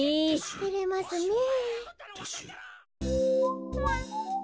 てれますねえ。